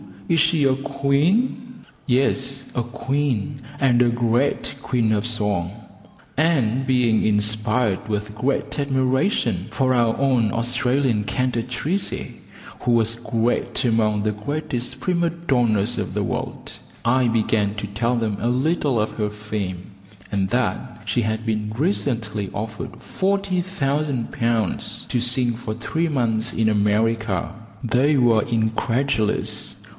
Is she a queen?" "Yes, a queen, and a great queen of song;" and being inspired with great admiration for our own Australian cantatrice, who was great among the greatest prima donnas of the world, I began to tell them a little of her fame, and that she had been recently offered 40,000 pounds to sing for three months in America. They were incredulous.